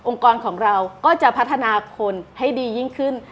กรของเราก็จะพัฒนาคนให้ดียิ่งขึ้น